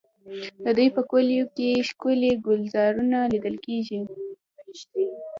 د دوی په کلیو کې ښکلي ګلزارونه لیدل کېږي.